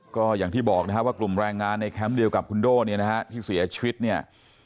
ก็อย่างที่บอกนะครับว่ากลุ่มแรงงานในแคมป์เดียวกับคุณโด่เนี่ยนะฮะที่เสียชีวิตเนี่ย